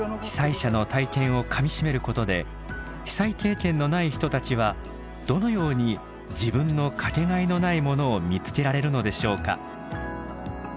被災者の体験をかみしめることで被災経験のない人たちはどのように自分のかけがえのないものを見つけられるのでしょうか。